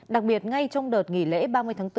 đặc biệt ngay trong đợt nghỉ lễ ba mươi tháng bốn